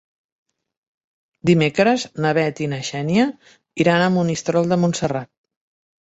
Dimecres na Bet i na Xènia iran a Monistrol de Montserrat.